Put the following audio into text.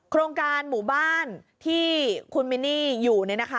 โครงการหมู่บ้านที่คุณมินนี่อยู่